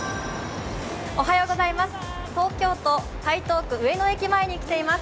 東京都台東区、上野駅前に来ています。